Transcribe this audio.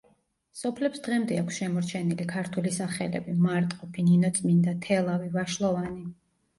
სოფლებს დღემდე აქვს შემორჩენილი ქართული სახელები: მარტყოფი, ნინოწმინდა, თელავი, ვაშლოვანი.